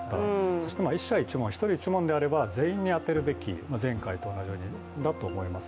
そして１社１問、１人１問であれば、全員に当てるべきだと思います。